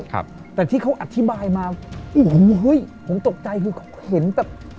ครับแต่ที่เขาอธิบายมาโอ้โหเฮ้ยผมตกใจคือเขาเห็นแบบ